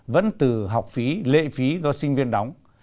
vẫn từ học phí lệ phí do sinh viên đóng